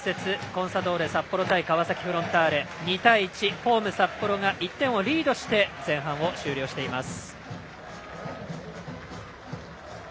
コンサドーレ札幌対川崎フロンターレは２対１、ホームの札幌が１点をリードして前半を終了しています。